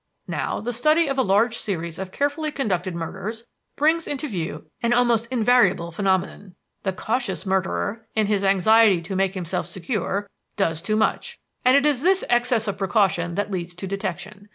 Now, the study of a large series of carefully conducted murders brings into view an almost invariable phenomenon. The cautious murderer, in his anxiety to make himself secure, does too much; and it is this excess of precaution that leads to detection.